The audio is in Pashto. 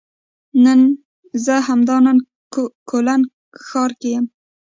زه همدا نن کولن ښار کې یم